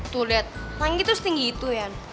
tuh liat tanggi tuh setinggi itu yan